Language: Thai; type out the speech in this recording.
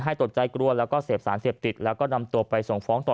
ตกใจกลัวแล้วก็เสพสารเสพติดแล้วก็นำตัวไปส่งฟ้องต่อ